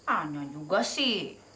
anjak juga sih